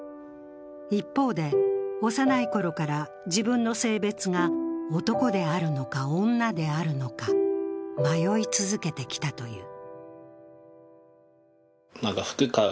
一方で、幼いころから自分の性別が男であるのか、女であるのか迷い続けてきたという。